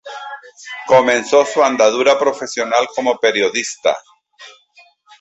Comenzó su andadura profesional como periodista.